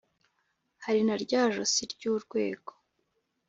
hari na rya josi ry' urwego